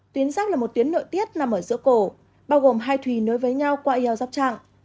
tuyến giáp là một tuyến nội tiết nằm ở giữa cổ bao gồm hai thủy nối với nhau qua yêu dắp trạng